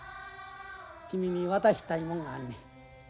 君に渡したいもんがあんねん。